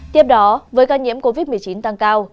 tiếp đó với ca nhiễm covid một mươi chín tăng cao